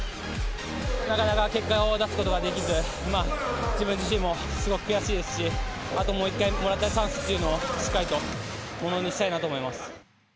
なかなか結果を出すことができず、自分自身もすごく悔しいですし、あともう一回もらったチャンスっていうのを、しっかりとものにしたいなと思います。